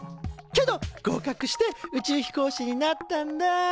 けど合格して宇宙飛行士になったんだ。